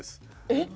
えっ？